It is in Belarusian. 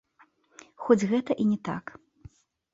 Хоць гэта і не так.